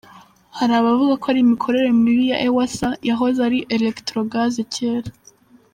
Hari abavuga ko ari imikorere mibi ya Ewsa yahoze ari Electrogaz kera.